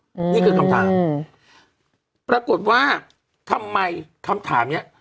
อืมนี่คือคำถามอืมปรากฏว่าทำไมคำถามเนี้ย